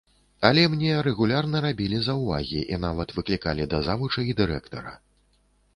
Але мне рэгулярна рабілі заўвагі і нават выклікалі да завуча і дырэктара.